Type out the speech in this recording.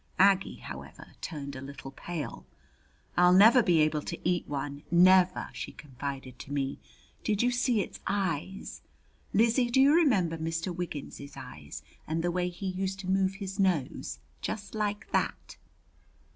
Aggie, however, turned a little pale. "I'll never be able to eat one, never!" she confided to me. "Did you see its eyes? Lizzie, do you remember Mr. Wiggins's eyes? and the way he used to move his nose, just like that?"